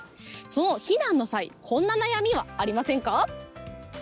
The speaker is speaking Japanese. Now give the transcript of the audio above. その避難の際、こんな悩みはありませんか？